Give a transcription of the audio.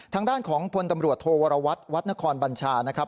ทางด้านของพลตำรวจโทวรวัตรวัดนครบัญชานะครับ